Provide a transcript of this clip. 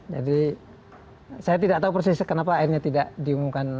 jadi saya tidak tahu persis kenapa akhirnya tidak diumumkan